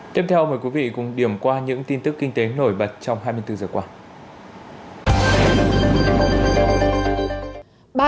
tiếp theo mời quý vị cùng điểm qua những tin tức kinh tế nổi bật trong hai mươi bốn giờ qua